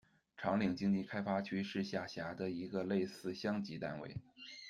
长岭经济开发区是下辖的一个类似乡级单位。